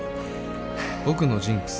僕のジンクス